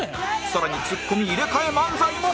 更にツッコミ入れ替え漫才も